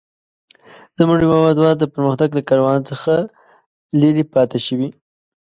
زموږ هيوادوال د پرمختګ له کاروان څخه لري پاته شوي.